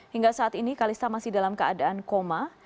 hingga saat ini kalista masih dalam keadaan koma